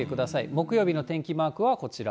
木曜日の天気マークはこちら。